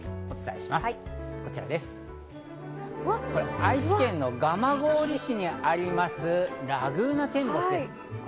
愛知県の蒲郡市にありますラグーナテンボスです。